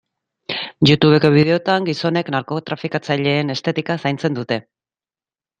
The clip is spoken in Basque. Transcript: Youtubeko bideoetan gizonek narkotrafikatzaileen estetika zaintzen dute.